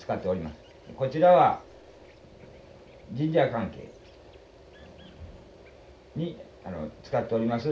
こちらは神社関係に使っております